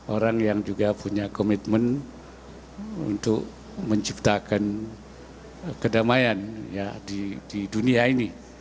orang yang juga punya komitmen untuk menciptakan kedamaian di dunia ini